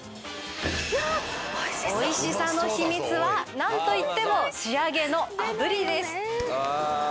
美味しさの秘密は何といっても仕上げの炙りです。